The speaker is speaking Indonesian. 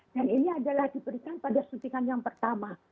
dan ini adalah diberikan pada suntikan yang pertama